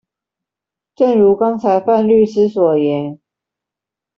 正如剛才范律師所言